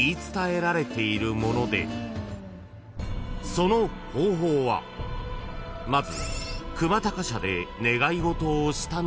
［その方法はまず］